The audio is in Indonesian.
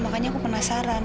makanya aku penasaran